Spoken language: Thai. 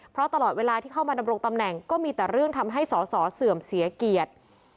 เพราะตลอดเวลาที่เข้ามาดำรงตำแหน่งก็มีแต่เรื่องทำให้สอสอเสื่อมเสียเกียรติ